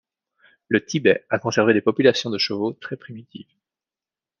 Le Tibet a conservé des populations de chevaux très primitives.